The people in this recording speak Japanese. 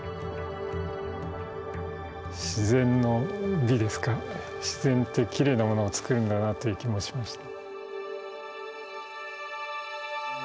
自然の美ですか自然ってきれいなものをつくるんだなという気もしました。